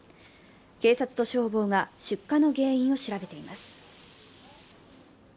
警察と消防が出火の原因を調べています。